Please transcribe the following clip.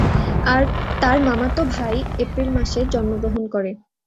তার মামাতো ভাই এপ্রিল মাসে জন্মগ্রহণ করে।